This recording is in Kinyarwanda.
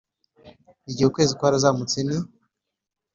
igihe ukwezi kwarazamutse ni